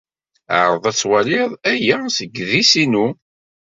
Ɛreḍ ad twalid aya seg yidis-inu.